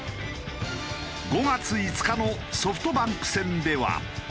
５月５日のソフトバンク戦では。